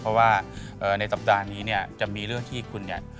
เพราะว่าในสัปดาห์นี้เนี่ยจะมีเรื่องที่คุณเนี่ย